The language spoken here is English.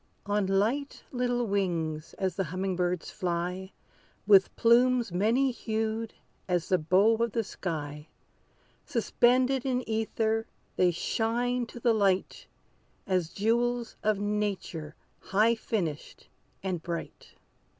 On light little wings as the humming birds fly, With plumes many hued as the bow of the sky, Suspended in ether, they shine to the light As jewels of nature high finished and bright.